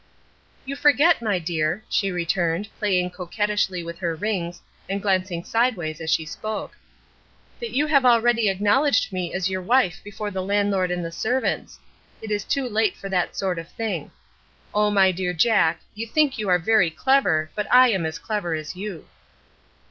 "You forget, my dear," she returned, playing coquettishly with her rings, and glancing sideways as she spoke, "that you have already acknowledged me as your wife before the landlord and the servants. It is too late for that sort of thing. Oh, my dear Jack, you think you are very clever, but I am as clever as you."